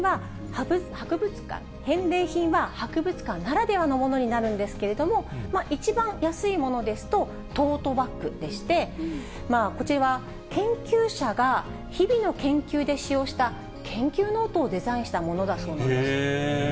返礼品は博物館ならではのものになるんですけれども、一番安いものですと、トートバッグでして、こちらは研究者が日々の研究で使用した研究ノートをデザインしたものなんだそうです。